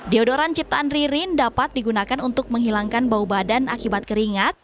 deodoran ciptaan ririn dapat digunakan untuk menghilangkan bau badan akibat keringat